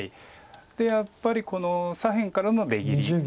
でやっぱり左辺からの出切り。